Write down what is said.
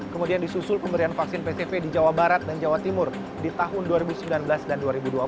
kemudian disusul pemberian vaksin pcv di jawa barat dan jawa timur di tahun dua ribu sembilan belas dan dua ribu dua puluh